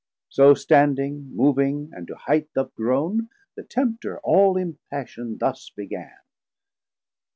So standing, moving, or to highth upgrown The Tempter all impassiond thus began.